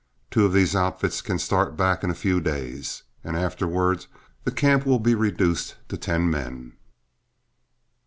Two of these outfits can start back in a few days, and afterward the camp will be reduced to ten men."